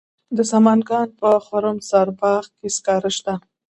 د سمنګان په خرم سارباغ کې سکاره شته.